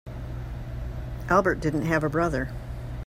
Albert didn't have a brother.